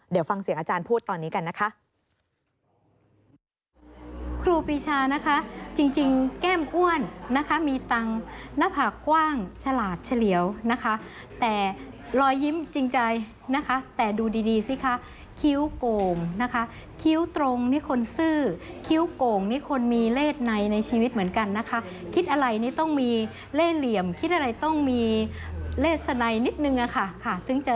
เดี๋ยวฟังเสียงอาจารย์พูดตอนนี้กันนะคะ